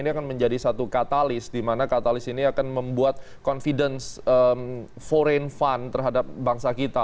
ini akan menjadi satu katalis di mana katalis ini akan membuat confidence foreign fund terhadap bangsa kita